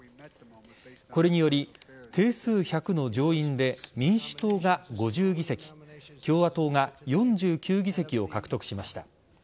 これにより定数１００の上院で民主党が５０議席共和党が４９議席を獲得しました。